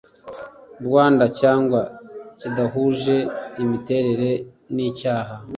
Rwanda cyangwa kidahuje imiterere n icyaha